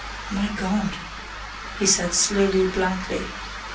"My God!" he said slowly, blankly.